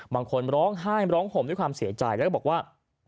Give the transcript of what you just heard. บางคนร้องไห้ร้องห่มด้วยความเสียใจแล้วก็บอกว่า